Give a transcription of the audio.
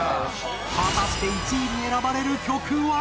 果たして１位に選ばれる曲は？